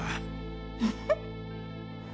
フフッ。